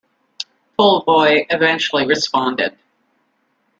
Polevoy eventually responded.